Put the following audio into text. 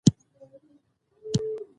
چار مغز د افغانستان یوه طبیعي ځانګړتیا ده.